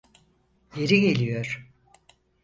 Geri geliyor!